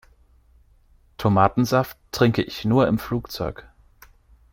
Tomatensaft trinke ich nur im Flugzeug.